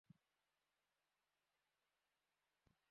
বিনা খরচে আইনি সহায়তা পাওয়া যায়—এটি সর্বত্র ছড়িয়ে দেওয়ার চেষ্টা চলছে।